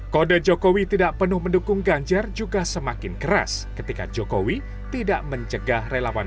kode jokowi tidak penuh mendukung ganjar juga semakin keras ketika jokowi tidak mencegah relawan